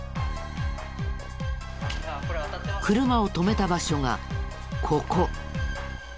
車を止めた場所がここ。